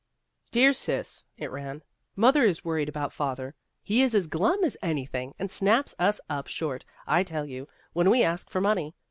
" DEAR Sis," (it ran) :" Mother is worried about Father. He is as glum as anything, and snaps us up short, I tell you, when we ask for money.